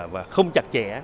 và không chặt chẽ